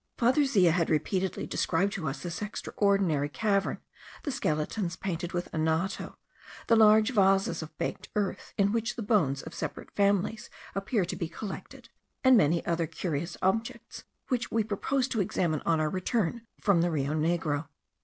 Father Zea had repeatedly described to us this extraordinary cavern, the skeletons painted with anoto, the large vases of baked earth, in which the bones of separate families appear to be collected; and many other curious objects, which we proposed to examine on our return from the Rio Negro.